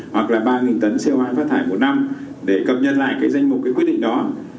hoặc là ba tấn co hai phát thải một năm để cập nhật lại danh mục quy định đó